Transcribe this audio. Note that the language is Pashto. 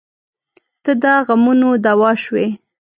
• ته د غمونو دوا شوې.